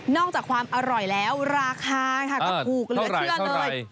อกจากความอร่อยแล้วราคาค่ะก็ถูกเหลือเชื่อเลย